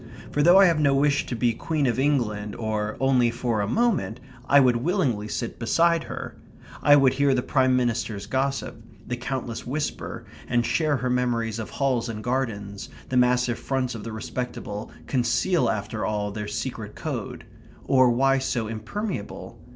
For though I have no wish to be Queen of England or only for a moment I would willingly sit beside her; I would hear the Prime Minister's gossip; the countess whisper, and share her memories of halls and gardens; the massive fronts of the respectable conceal after all their secret code; or why so impermeable?